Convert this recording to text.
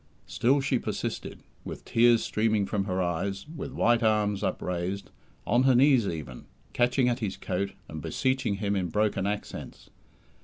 Still she persisted, with tears streaming from her eyes, with white arms upraised, on her knees even, catching at his coat, and beseeching him in broken accents.